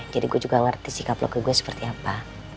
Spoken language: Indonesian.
jadi gue juga ngerti sikap lo ke gue seperti apa